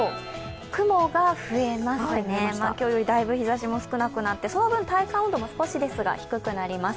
雲が増えますね、今日よりだいぶ日ざしも少なくなって、その分、体感温度も少しですが低くなります。